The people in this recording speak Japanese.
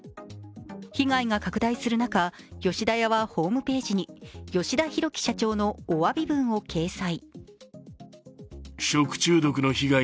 被害が拡大する中、吉田屋はホームページに吉田広城社長のおわび文を掲載。